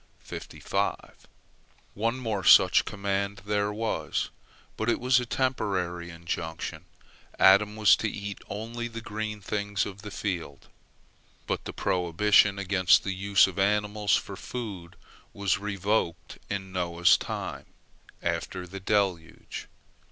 One more such command there was, but it was a temporary injunction. Adam was to eat only the green things of the field. But the prohibition against the use of animals for food was revoked in Noah's time, after the deluge.